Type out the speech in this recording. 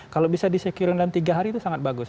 kalau bisa di secure dalam tiga hari itu sangat bagus